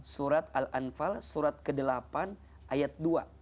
surat al anfal surat ke delapan ayat dua